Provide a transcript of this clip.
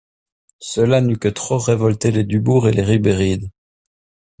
Cela n'eût que trop révolté les Dubourg et les Ribéride.